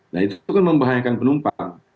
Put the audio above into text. nah itu kan membahayakan penumpang